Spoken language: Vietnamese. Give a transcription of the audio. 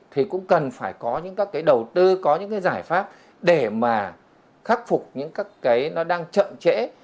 thì cũng cần phải có những các cái đầu tư có những cái giải pháp để mà khắc phục những các cái nó đang chậm trễ